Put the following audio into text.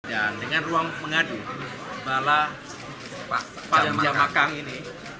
dan dengan ruang mengadu bala pak jamakang ini